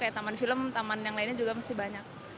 kayak taman film taman yang lainnya juga masih banyak